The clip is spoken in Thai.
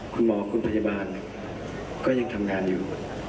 คุณหมอคุณพยาบาลก็ยังทำงานอยู่